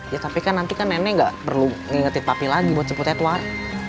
ya tapi kan nanti kan nenek gak perlu ngingetin papi lagi buat jemput edward